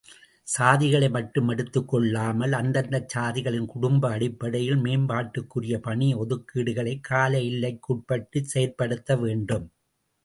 சாதிகளை மட்டும் எடுத்துக் கொள்ளாமல் அந்தந்தச்சாதிகளின் குடும்ப அடிப்படையில் மேம்பாட்டுக்குரிய பணி ஒதுக்கீடுகளைக் கால எல்லைக்குட்பட்டுச் செயற்படுத்த வேண்டும்.